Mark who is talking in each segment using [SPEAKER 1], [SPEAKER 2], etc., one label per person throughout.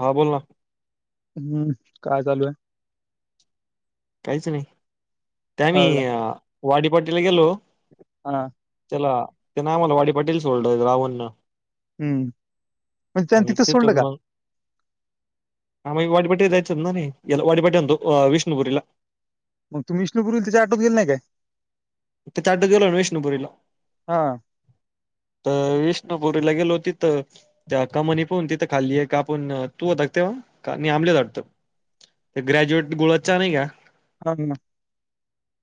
[SPEAKER 1] हा बोल ना.
[SPEAKER 2] हम्म काय चालू आय.
[SPEAKER 1] काहीच नाही. त्या मी
[SPEAKER 2] का?
[SPEAKER 1] अ- वाडी पाटीला गेलो.
[SPEAKER 2] हां.
[SPEAKER 1] चला ते न आमाला वाडी पाशी सोडल आव अण्णा.
[SPEAKER 2] हम्म पण त्यांन तिथंच
[SPEAKER 1] तिथून
[SPEAKER 2] सोडलका?
[SPEAKER 1] मग [unintelligible]
[SPEAKER 2] मग तुम्ही विष्णूपूरील त्याच्या ऑटो त गेलं नाय काय?
[SPEAKER 1] त्याच्या ऑटो त गेलो नं विष्णू पुरीला.
[SPEAKER 2] हां,
[SPEAKER 1] तर विष्णुपुरीला गेलो. तिथं त्या कमानीतून तिथं खाली एक आपण तू होता तेव्हा का नई आंबले होता वांटत. एक ग्रॅज्युएट गुळाचा नाही का.
[SPEAKER 2] कर ना.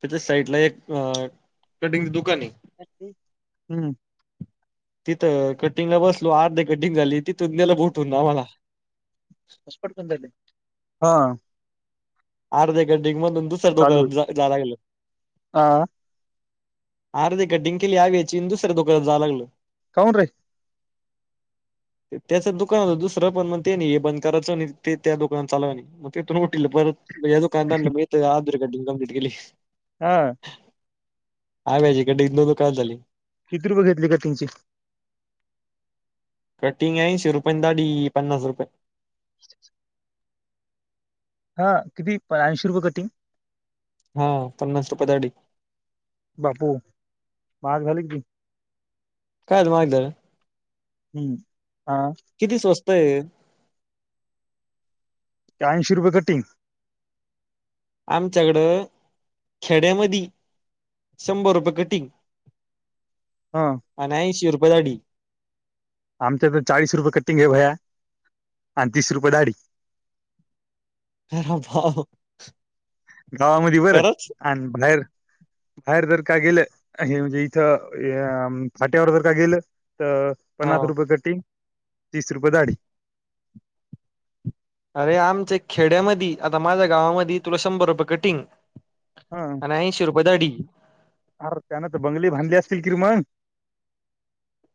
[SPEAKER 1] त्याच्या साईइड ला एक अ कटिंग दुकान ये.
[SPEAKER 2] हम्म.
[SPEAKER 1] तिथं कटिंग ला बसलो आर्धीर कटिंग झाली तिथ - त नेल [unintelligible] आम्हाला
[SPEAKER 2] हॉट - स्पॉट बंद हाय वाटते. हां.
[SPEAKER 1] आर्धे कटिंग मधून-
[SPEAKER 2] चालू आहे. हां,
[SPEAKER 1] [unintelligible] यबयडझ
[SPEAKER 2] काौन र्री
[SPEAKER 1] त्याच दुकान होत दुसरं पण म ते नाही हे बंद करायचं आणि ते त्या दुकान चालव मग तेथून उटल परत य कारयणा मी कमपलीट केली
[SPEAKER 2] हा
[SPEAKER 1] हा माजेकडे नो दु काात झाली
[SPEAKER 2] कित बघेतले का तिचे
[SPEAKER 1] कटिंग आहेऐशीे रुपयं दाडी पन्नास रुपये
[SPEAKER 2] हा किती ऐंशी रुपये कटिंग
[SPEAKER 1] हा पन्नास रुपये दाडी
[SPEAKER 2] बापू माझ झालीी
[SPEAKER 1] कायल मागार
[SPEAKER 2] हम्म हा
[SPEAKER 1] तय
[SPEAKER 2] ऐंशी रुपये कटिंग
[SPEAKER 1] आमच्याकडं खेड्यामध्ये शंभर रुपये कटिंग
[SPEAKER 2] हां,
[SPEAKER 1] अनं ऐंशी रुपये बदाडी
[SPEAKER 2] आमच्या तर चाळीस रुपये कटिंग घ भया आणि तीस रुपये दाढी
[SPEAKER 1] करा बाप
[SPEAKER 2] गावामध्ये बरं आणि बाहेर बाहेर जर का गेलं हे म्हणजे इथं फाट्यावर जर का गेलं तर
[SPEAKER 1] हा
[SPEAKER 2] पन्नास रुपये कटिंग तीस रुपये दाढी
[SPEAKER 1] अरे आमच्या खेड्यामध्ये आता माझ्या गावामध्ये तुला शंभर रुपये कटिंग
[SPEAKER 2] हा
[SPEAKER 1] आणि ऐंशी रुपये दाढी
[SPEAKER 2] अर त्यान तर बंगले बांधले असतील किरमान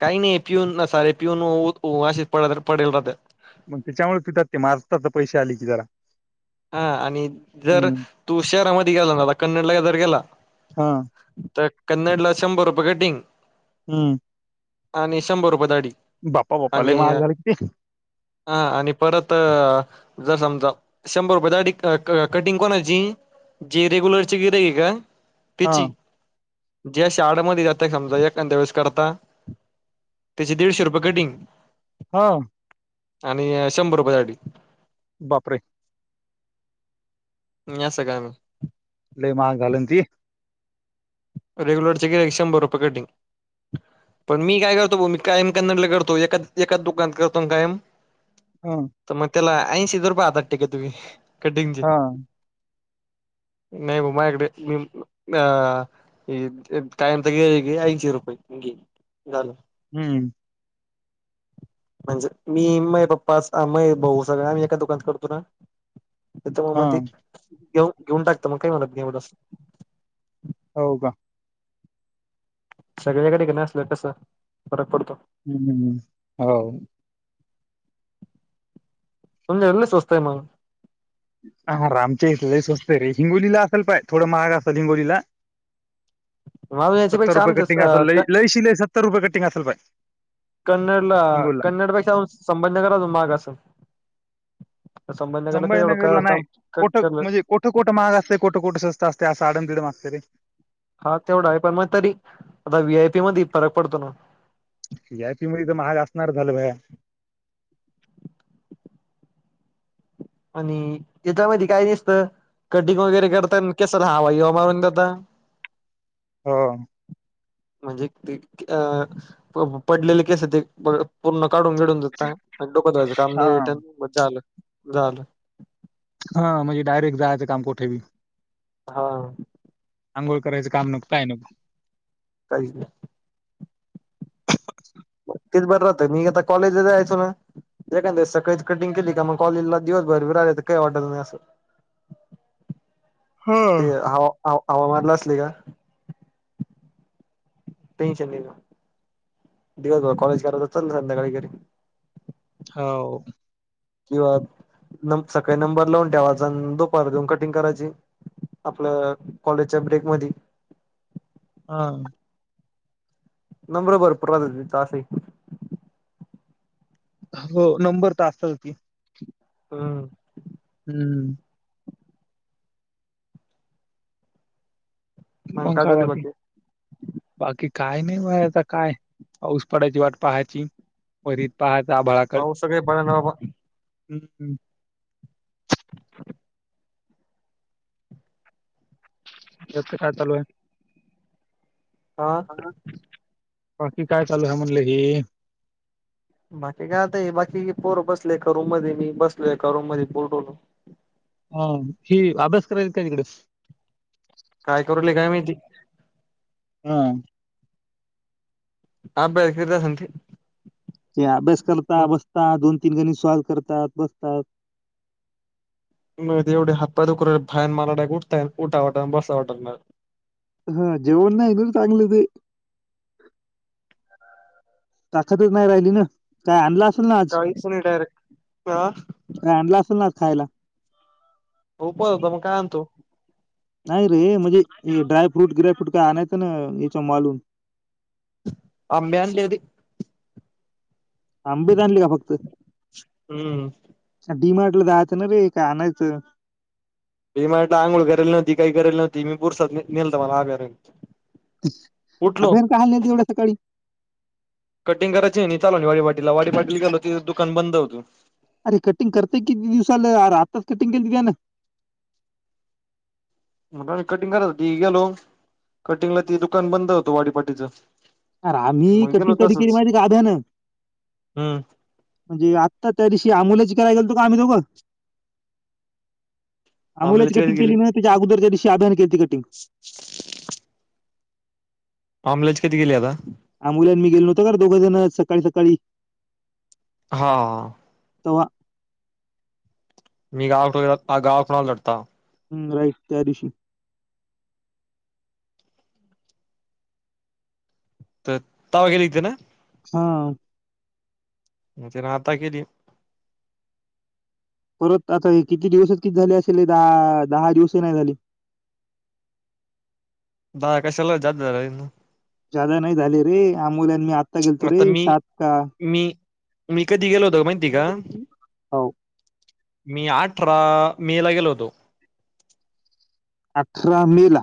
[SPEAKER 1] काही नाही पिऊन न सारे पिऊन वाशित पडेल राहतात
[SPEAKER 2] मग त्याच्यामुळे पितात ते माजतात तर पैसे आले कि जरा
[SPEAKER 1] हा आणि जर
[SPEAKER 2] हम्म
[SPEAKER 1] तू शहरामध्ये गेला ना कन्नडला जर गेला
[SPEAKER 2] हा
[SPEAKER 1] तर कन्नडला शंभर रुपये कटिंग
[SPEAKER 2] हम्म
[SPEAKER 1] आणि शंभर रुपये दाढी
[SPEAKER 2] बाप्पा बाप्पा लई
[SPEAKER 1] आणि
[SPEAKER 2] महाग झाल की ते
[SPEAKER 1] हा आणि परत जर समजा शंभर रुपये दाढी क क कटिंग कोणाची जी रेग्युलरचे गिऱ्हाईक का
[SPEAKER 2] हा
[SPEAKER 1] पिची ज्या शाडमध्ये जातात समजा एखांद्या वेेळेस करता त्याची दीडशे रुपये कटिंग
[SPEAKER 2] ह
[SPEAKER 1] आणि शंभर रुपये साठी
[SPEAKER 2] बापरे.
[SPEAKER 1] या सगळ्यांनी.
[SPEAKER 2] लय महाग झाल ना ती
[SPEAKER 1] रेग्युलरचे गिऱ्हाईक शंभर रुपये कटिंग. पण मी काय करतो बुवा मी कायम कन्नड ला करतो एका एकाच दुकानात करतो आणि कायम
[SPEAKER 2] ह.
[SPEAKER 1] तर मग त्याला ऐंशीच रुपय हातात टेकवितो मी. कटिंग चे.
[SPEAKER 2] हा
[SPEAKER 1] नाही मग माझ्याकडे मी अ. ये ये कायमच गिऱ्हाईक घे ऐंशी रुपये घे झालं.
[SPEAKER 2] हम्म.
[SPEAKER 1] म्हणजे मी, माय पप्पा, आ माय भाऊ सगळ्या आम्ही एका दुकानात करतो ना. ते त म
[SPEAKER 2] हा
[SPEAKER 1] म ते येऊ घेऊन टाकतं, मग काय म्हणत नाही एवढ असं.
[SPEAKER 2] हो का.
[SPEAKER 1] सगळ्याकडे [unintelligible] न असंल तसं फरक पडतो.
[SPEAKER 2] हम्म हम् हो.
[SPEAKER 1] तुमच्याकड लय स्वस्त हाय मग.
[SPEAKER 2] हा रं आमच्या इथं लई स्वस्त हाय रे. हिंगोलीला असेल पाय थोड महाग असेल हिंगोलीला.
[SPEAKER 1] माझ
[SPEAKER 2] सत्तर
[SPEAKER 1] याच्यापेक्षा
[SPEAKER 2] रुपये कटिंग
[SPEAKER 1] आमचं
[SPEAKER 2] असेल लय
[SPEAKER 1] अ
[SPEAKER 2] लयशी लय सत्तर रुपये कटिंग असेल पाय
[SPEAKER 1] कन्नडला
[SPEAKER 2] हिंगोलीला
[SPEAKER 1] कन्नडपेक्षा संगमनेर महाग असंल.
[SPEAKER 2] संभाजीनगरला
[SPEAKER 1] एवढं
[SPEAKER 2] नाही कोठं
[SPEAKER 1] काम
[SPEAKER 2] म्हणजे कोठं कोठं महाग असतंय कोठं कोठं स्वत असतंय, आडम धीडम असतं. सरी.
[SPEAKER 1] हा तेवढा आहे पण मग तरी आता व्ही आयपी मध्ये फरक पडतो ना.
[SPEAKER 2] सी आय पी मध्ये तर महाग असणार झालं भैया.
[SPEAKER 1] आणि तिच्यामध्ये काय दिसतं कटिंग वगैरे करताना केस रहावा [unintelligible] देता.
[SPEAKER 2] हो
[SPEAKER 1] म्हणजे ते अ पडलेले केस ते पूर्ण काढून बीडून धुता आणि डोकं धुवायचं काम
[SPEAKER 2] हा
[SPEAKER 1] नाही रिटर्न मग झालं. झालं.
[SPEAKER 2] हा म्हणजे डायरेक्ट जायचं काम कुठे बी.
[SPEAKER 1] हा.
[SPEAKER 2] आांघोळ करायचं काम नको काय नको.
[SPEAKER 1] काय झालं. तेच बरं राहत मी आता कॉलेजला जायचो ना एखाद दिवस सकाळीच कटिंग केली का मग कॉलेजला दिवस भर फिरायचं तर काहीच वाटत नाही असं.
[SPEAKER 2] हो
[SPEAKER 1] ते हवा. आ हवामानला असले का. टेन्शन नाही ना दिवस भर कॉलेज करायचं चल संध्याकाळी घरी.
[SPEAKER 2] हव.
[SPEAKER 1] किंवा न सकाळी नंबर लावून ठेवायचा दुपारी जाऊन कटिंग करायची आपल्या कॉलेजच्या ब्रेक मधी.
[SPEAKER 2] हा.
[SPEAKER 1] नंबर भरपूर राहतात तिथे असायची.
[SPEAKER 2] हो नंबर तर असेल की
[SPEAKER 1] ह.
[SPEAKER 2] हम्म. मग
[SPEAKER 1] काय झाली
[SPEAKER 2] खावा की
[SPEAKER 1] बाकी
[SPEAKER 2] बाकी काय नाही बा आता काय पाऊस पडाची वाट पाहायची वरीत पाह.
[SPEAKER 1] पाऊ सगळे ब ना [inaudible]
[SPEAKER 2] हम् हम्. काय चालू आहे.
[SPEAKER 1] आा.
[SPEAKER 2] बाकी काय चालू आहे म्हणलं हे.
[SPEAKER 1] बाकी काय आता बाकी पोर बसल एका रूम मध्ये मी बसलो एका रूम मध्ये पोर
[SPEAKER 2] ह ही अभ्यास करायची. का तिकडे
[SPEAKER 1] काय करूले काय माहिती
[SPEAKER 2] हम
[SPEAKER 1] [inaudible]
[SPEAKER 2] हे अभ्यास करता बसता दोन तीन गणी स्वाल करतात बसतात
[SPEAKER 1] म ते एवढे हप्पा दुक भयान मारडा उठता उठा वाट बसाता वाटणार
[SPEAKER 2] [inaudible] ताकदच नाही राहिली ना काय आणला असेल ना आज
[SPEAKER 1] काहीच नाही डायरेक्ट हा
[SPEAKER 2] काय आणला असेल ना आज खायला
[SPEAKER 1] [inaudible] मग कायआणतो
[SPEAKER 2] नाही रे म्हणजे ड्रायफ्रूट गिरायफ्रूट काय आणायचं ना याच्या मालून
[SPEAKER 1] आंबे आणल्याती
[SPEAKER 2] आंबीच आणली का फक्त
[SPEAKER 1] हम्म
[SPEAKER 2] डीमार्टला राहातं ना रे का आणायचं
[SPEAKER 1] [unintelligible] उठलो
[SPEAKER 2] अभियान का हाल नाही एवढ्या सकाळी
[SPEAKER 1] कटिंग करायची आहे चाल वा वाट वाडी पाटली गाल होती दुकान बंद होत
[SPEAKER 2] अरे कटिंग करतेय किती दिवस झालं आताच कटिंग केली का ना
[SPEAKER 1] कटिंग कराय हो ती गेलो कटिंगला ती दुकान बंद होतो वाडीपाटीचं
[SPEAKER 2] अरे आम्ही
[SPEAKER 1] मग गेलो
[SPEAKER 2] कटी कधी केली
[SPEAKER 1] तसंच
[SPEAKER 2] माझी अभ्यान
[SPEAKER 1] हम्म
[SPEAKER 2] म्हणजे आता त्या दिवशी आमोलाची करायला गेलतो आम्ही दोघं आमोलाची
[SPEAKER 1] आमल्याची कधी
[SPEAKER 2] कटिंग
[SPEAKER 1] गेली
[SPEAKER 2] केली म्हण त्याच्या अगोदरच्या दिशी अभ्यान केती कटिंग
[SPEAKER 1] आमलेची कधी केली आता
[SPEAKER 2] आ मुल्यां मी गेलोव्हतो का दोघ जण सकाळी सकाळी
[SPEAKER 1] हा
[SPEAKER 2] तवा
[SPEAKER 1] मी गाव गाव खुणाला लढता
[SPEAKER 2] हम् राईट त्या दिवशी
[SPEAKER 1] तर तवा गेलीेते ना
[SPEAKER 2] हा
[SPEAKER 1] म ते राहता कधी
[SPEAKER 2] परत आता हे किती दिवसच किती झाले असेल दहा दहा दिवस नाही झाले
[SPEAKER 1] हा कशाला जास्त करायच
[SPEAKER 2] जादा नाही झाले रे आ मुलांनी
[SPEAKER 1] आता मी मी मी कधी गेलो होतो माहिती का
[SPEAKER 2] हो
[SPEAKER 1] मी अठरा मे ला गेलो होतो
[SPEAKER 2] अठरा मे ला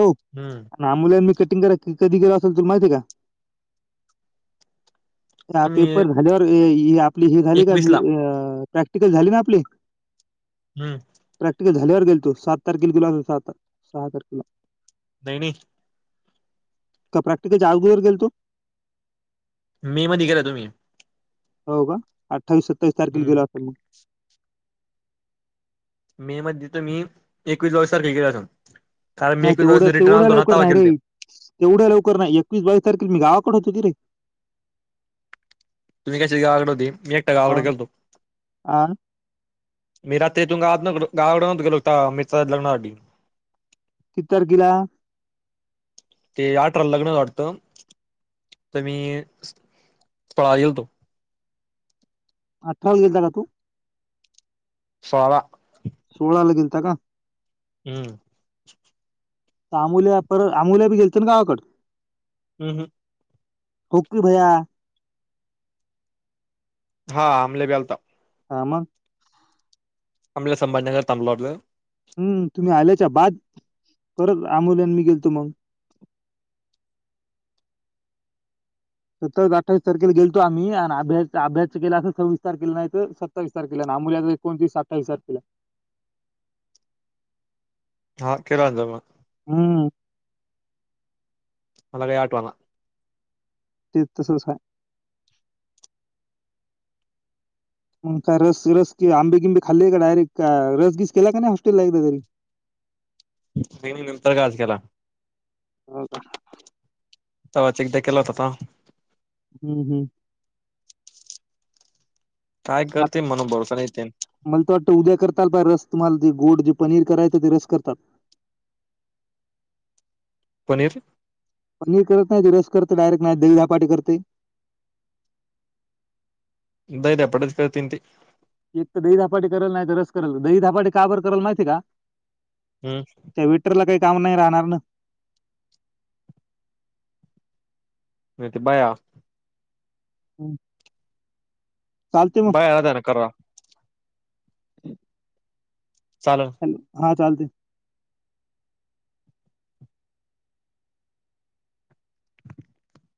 [SPEAKER 2] हो
[SPEAKER 1] हम्म
[SPEAKER 2] मुला मी कटिंग करा कधी गेलं असेल तुला माहिित आहे का ह
[SPEAKER 1] तुम्ही
[SPEAKER 2] पेपर झाल्यावर आपली हे झाली का
[SPEAKER 1] एकवीस ला
[SPEAKER 2] अ प्रॅक्टिकल झाले ना आपले
[SPEAKER 1] हम्म
[SPEAKER 2] झाल्यावर गेल तो सात तारखे सहा तारखेला.
[SPEAKER 1] नाही नाही
[SPEAKER 2] का प्रॅक्टिकल च्या अगोदर गेलतो.
[SPEAKER 1] मे मध्ये गेलं तुम्ही.
[SPEAKER 2] हो का अ अठ्ठावी सत्वीस तारखे
[SPEAKER 1] हम्म
[SPEAKER 2] गेलो असल
[SPEAKER 1] मे मध्ये तुम्ही एकवीस बाविस तारखेला गेलेलो.
[SPEAKER 2] नाही. तेवढ्या तेवढ्या लवकर नाही रे तेवढ्या लवकर नाही एकवीस बावीस तारखेल मी गावात कड होत की रे.
[SPEAKER 1] तुम्ही कशी गावाकडे होते. मी एकट्या
[SPEAKER 2] हा,
[SPEAKER 1] गावाकड गेलतो.
[SPEAKER 2] आ,
[SPEAKER 1] मी रात्री इथून गावाकडं गेलो, होतो मित्रांच्या लग्नासाठी
[SPEAKER 2] किती तारखेला.
[SPEAKER 1] ते अठराला लग्न वाटतं, त मी सोळाला गेलतो.
[SPEAKER 2] अठराला गेलता का तु.
[SPEAKER 1] सोळा
[SPEAKER 2] सोळा ला गेलता का!
[SPEAKER 1] हम्म.
[SPEAKER 2] थांबल्या तरी आपल्या बी गेले तर परत गावाकडे.
[SPEAKER 1] हम्म हम्
[SPEAKER 2] होकी भैया.
[SPEAKER 1] हा अमल्या बी अलता.
[SPEAKER 2] ह म
[SPEAKER 1] अमल्या संभाजीनगरला थांबला
[SPEAKER 2] हम्म तुम्ही आल्याच्या बाद परत आमोल्यान मी गेलतो म सत्तावीस अठ्ठावीस तारखेला गेलो आम्ही आणि अभ्या अभ्यास के अस सव्वीस तार केलं नाही तर सत्तावीस तारखेला ना आमल्या एकोणतीस अठ्ठावीस तारखेला
[SPEAKER 1] हा के अंद मग.
[SPEAKER 2] हम्म.
[SPEAKER 1] मला काय आटवाना!
[SPEAKER 2] तीर्थसंर्कार का रस रसि आंबे गिंबे खाल्ले का डायरेक्ट का रसगीस केला का नाही हॉस्टेलला एकदा तरी,
[SPEAKER 1] त नंतर केला.
[SPEAKER 2] हो का?
[SPEAKER 1] तवाच एकदा केला त
[SPEAKER 2] हम्म हम्म
[SPEAKER 1] काय करते मन भरोसा नाही ते.
[SPEAKER 2] य रस तुम्हाला जे गोड जे पनीर करायचं ते रस करतात.
[SPEAKER 1] पनीर
[SPEAKER 2] पनीर करत नाही ते रस करते डायरेक्ट नाही दही झधपाटी करते.
[SPEAKER 1] दही धपाटच करत ते.
[SPEAKER 2] एक तर दही धापाटी कराल नाही तर रस कराल दही धापाटी काबर कराला माहितीय का?
[SPEAKER 1] हम्म
[SPEAKER 2] त्या विटरला काय. काम नाही राहणार ना.
[SPEAKER 1] नाही ते बाया
[SPEAKER 2] होम
[SPEAKER 1] बाय अ ना कर
[SPEAKER 2] ह
[SPEAKER 1] चालन
[SPEAKER 2] हॅ हा चालते